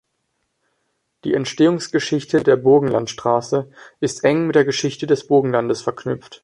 Die Entstehungsgeschichte der Burgenland Straße ist eng mit der Geschichte des Burgenlandes verknüpft.